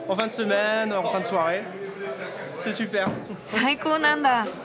最高なんだ。